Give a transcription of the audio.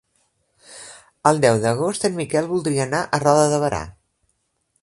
El deu d'agost en Miquel voldria anar a Roda de Berà.